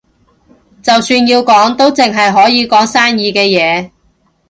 就算要講，都淨係可以講生意嘅嘢